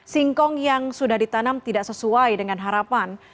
singkong yang sudah ditanam tidak sesuai dengan harapan